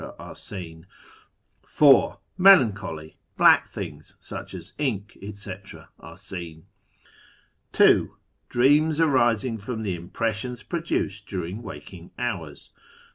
are seen. 4. Melancholy. Bhxck tilings, such as ink, etc., are seen. II. — Dreams arising from Impressions produced during Waking Hours.